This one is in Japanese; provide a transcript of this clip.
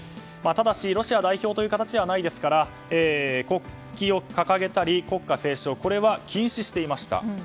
ただし、ロシア代表という形ではないですから国旗を掲げたり国歌斉唱は禁止していました。